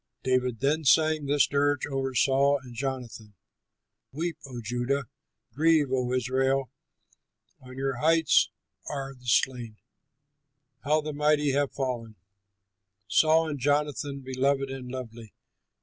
David then sang this dirge over Saul and Jonathan: "Weep, O Judah! Grieve, O Israel! On your heights are the slain! How the mighty have fallen! "Saul and Jonathan, beloved and lovely!